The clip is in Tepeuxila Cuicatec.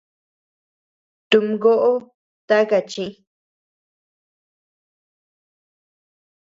Tumgoʼo taka chi.